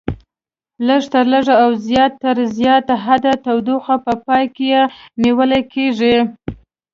لږ تر لږه او زیات تر زیات حد تودوخه په پام کې نیول کېږي.